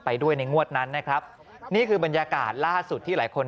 ด้วยในงวดนั้นนะครับนี่คือบรรยากาศล่าสุดที่หลายคน